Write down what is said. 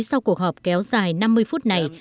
sau cuộc họp kéo dài năm mươi phút này